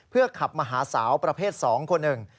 เพื่อขับมาหาสาวประเภทสองคนหนึ่ง